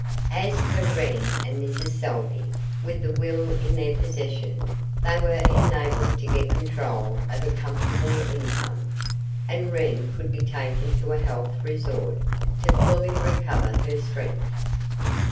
As for Wren and Mrs. Salvey, with the will in their possession, they were enabled to get control of a comfortable income, and Wren could be taken to a health resort to fully recover her strength.